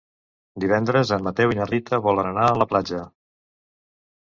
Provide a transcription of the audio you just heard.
Divendres en Mateu i na Rita volen anar a la platja.